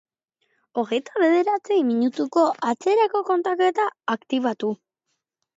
Hogeita bederatzi minutuko atzerako kontaketa aktibatu.